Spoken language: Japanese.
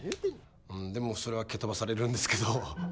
でもそれは蹴飛ばされるんですけど。